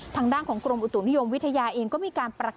จังหวัดอุตุริยมวิทยาเองก็มีการประกาศ